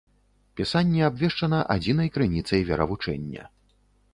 Пісанне абвешчана адзінай крыніцай веравучэння.